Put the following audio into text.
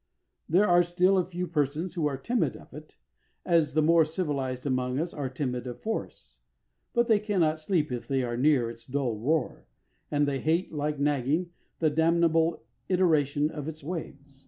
There are still a few persons who are timid of it, as the more civilised among us are timid of forests: they cannot sleep if they are near its dull roar, and they hate, like nagging, the damnable iteration of its waves.